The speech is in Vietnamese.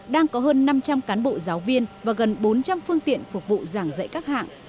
đang có hơn năm trăm linh cán bộ giáo viên và gần bốn trăm linh phương tiện phục vụ giảng dạy các hạng